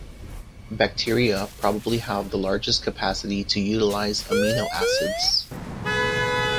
Bacteria probably have the largest capacity to utilize amino acids.